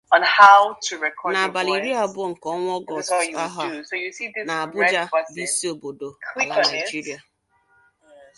n'abalị iri abụọ nke ọnwa Ọgọstụ ahọ a n'Abuja bụ isi obodo ala Nigeria.